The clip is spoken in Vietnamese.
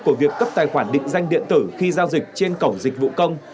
của việc cấp tài khoản định danh điện tử khi giao dịch trên cổng dịch vụ công